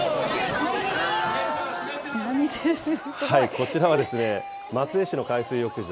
こちらは、松江市の海水浴場。